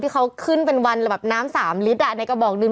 ที่เขาขึ้นเป็นวันแบบน้ำ๓ลิตรในกระบอกนึง